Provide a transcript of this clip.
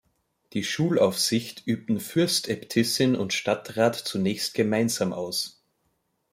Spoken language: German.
Die Schulaufsicht übten Fürstäbtissin und Stadtrat zunächst gemeinsam aus.